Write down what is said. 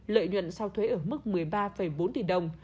lợi nhuận sau thuế ở mức một mươi ba bốn tỷ đồng